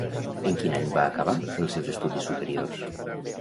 En quin any va acabar els seus estudis superiors?